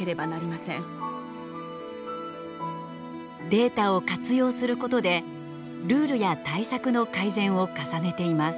データを活用することでルールや対策の改善を重ねています。